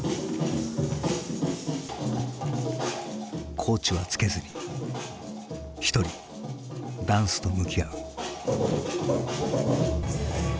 コーチはつけずに一人ダンスと向き合う。